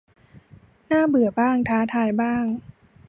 น่าเบื่อบ้าง ท้าทายบ้าง